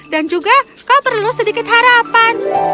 dan juga kau perlu sedikit harapan